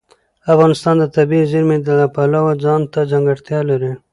افغانستان د طبیعي زیرمې د پلوه ځانته ځانګړتیا لري.